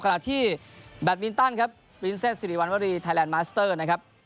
ขณะที่แบตมินตันครับวินเซตสิริวัณวรีไทยแลนดมาสเตอร์นะครับ